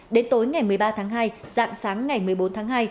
đến tối ngày một mươi ba tháng hai dạng sáng ngày một mươi bốn tháng hai